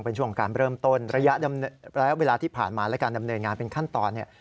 เป็นช่วงการเริ่มต้นระยะเวลาที่ผ่านมาและการดำเนินงานเป็นขั้นตอนเนี่ย